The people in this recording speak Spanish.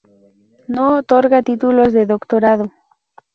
No otorga títulos de doctorado.